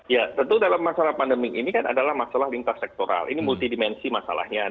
ya tentu dalam masalah pandemi ini kan adalah masalah lintas sektoral ini multidimensi masalahnya